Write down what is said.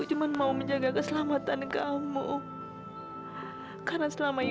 jam penyembuhan udah selesai